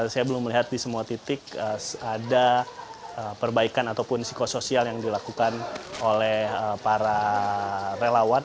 saya belum melihat di semua titik ada perbaikan ataupun psikosoial yang dilakukan oleh para relawan